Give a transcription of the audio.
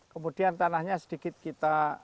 kemudian tanahnya sedikit kita